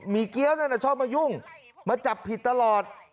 มีเกี้ยวนั่นชอบมายุ่งมาจับผิดตลอด